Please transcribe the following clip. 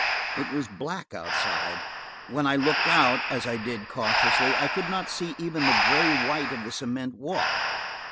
It was black outside; when I looked out, as I did cautiously, I could not see even the gray white of the cement walk.